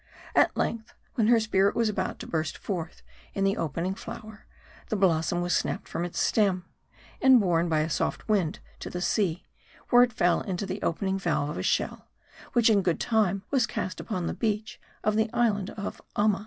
At length when her spirit was about to burst forth in the opening flower, the blossom was snapped from its stem ; and borne by a soft wind to the sea ; where it fell into the opening valve of a shell ; which in good time was cast upon the beach of the Island of Amma.